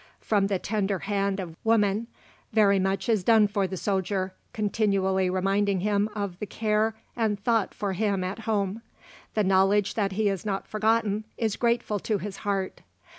From the tender hand of woman, very much is done for the soldier, continually reminding him of the care and thought for him at home. The knowledge that he is not forgotten is grateful to his heart.